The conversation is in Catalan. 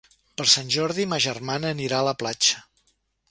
Per Sant Jordi ma germana anirà a la platja.